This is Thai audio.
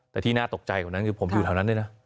แต่ที่น่าตกใจคือผมอยู่แถวนั้นด้วยนะ